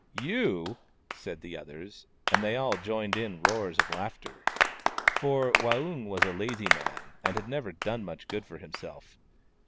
" You !" said the others, and they all joined in roars of laughter. For Waung was a lazy man, and had never done much good for himself.